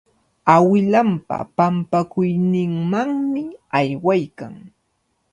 Awilanpa pampakuyninmanmi aywaykan.